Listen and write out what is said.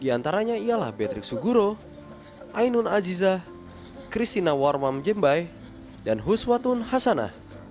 di antaranya ialah beatrix suguro ainun ajiza christina warmam jembay dan huswatun hasana